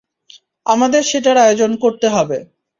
আমাদের সেটার আয়োজন করতে হবে।